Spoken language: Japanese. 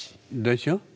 でしょ。